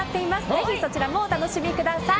ぜひそちらもお楽しみください。